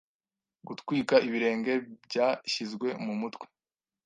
Gutwika ibirenge byashyizwe mu mutwe